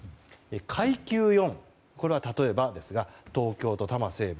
階級４これは例えばですが東京都多摩西部。